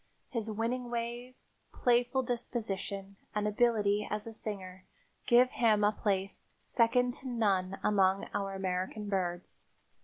His winning ways, playful disposition and ability as a singer give him a place second to none among our American birds.